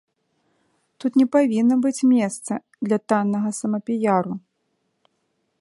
Тут не павінна быць месца для таннага самапіяру.